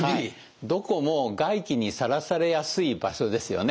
どこも外気にさらされやすい場所ですよね。